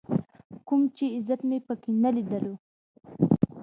کوم چې عزت مې په کې نه ليدلو.